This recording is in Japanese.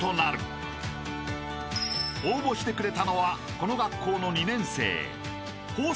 ［応募してくれたのはこの学校の］